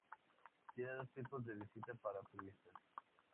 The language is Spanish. Tiene dos sitios de visita para turistas.